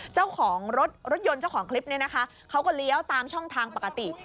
เจ้าของรถรถยนต์เจ้าของคลิปนี้นะคะเขาก็เลี้ยวตามช่องทางปกติ